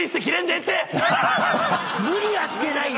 無理はしてないよ！